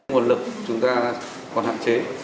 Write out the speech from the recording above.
nguồn lực chúng ta còn hạn chế